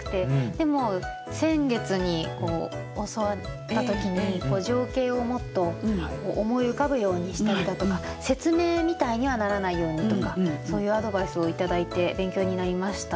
でも先月に教わった時に情景をもっと思い浮かぶようにしたりだとか説明みたいにはならないようにとかそういうアドバイスを頂いて勉強になりました。